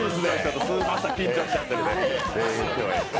朝、緊張しちゃってる。